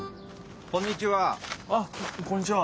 こんにちは！